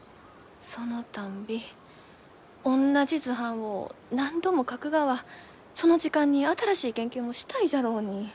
そのたんびおんなじ図版を何度も描くがはその時間に新しい研究もしたいじゃろうに。